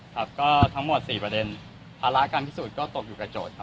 ครับก็ทั้งหมด๔ประเด็นภาระการพิสูจน์ก็ตกอยู่กับโจทย์ครับ